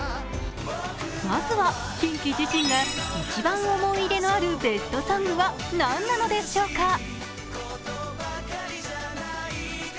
まずはキンキ自身が一番思い入れのあるベストソングは何なんでしょうか。